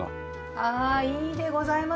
ああいいでございます。